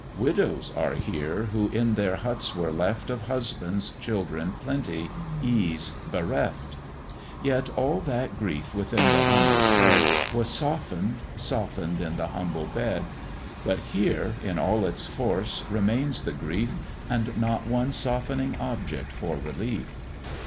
Widows are here, who in their huts were left, Of husbands, children, plenty, ease bereft; Yet all that grief within the humble shed Was soften'd, softened in the humble bed: But here, in all its force, remains the grief, And not one softening object for relief.